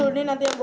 eh udah gak apa apa